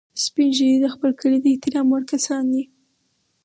سپین ږیری د خپل کلي د احترام وړ کسان دي